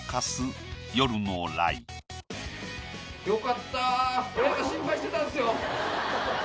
よかった。